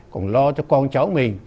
còn lo cho con cháu mình